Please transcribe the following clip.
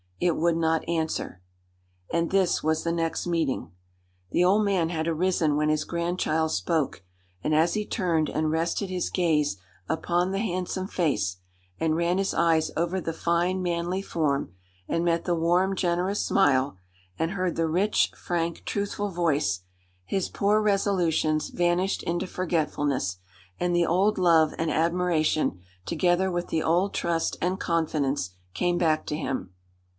It would not answer. And this was the next meeting. The old man had arisen when his grandchild spoke, and as he turned and rested his gaze upon the handsome face, and ran his eyes over the fine, manly form, and met the warm, generous smile, and heard the rich, frank, truthful voice, his poor resolutions vanished into forgetfulness, and the old love and admiration, together with the old trust and confidence, came back to him.